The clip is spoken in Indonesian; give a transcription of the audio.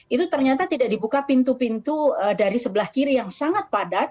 itu ternyata tidak dibuka pintu pintu dari sebelah kiri yang sangat padat